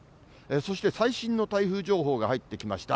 そして最新の台風情報が入ってきました。